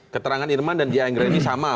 keterangan irman dan dian greini sama